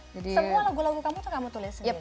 semua lagu lagu kamu tuh kamu tulis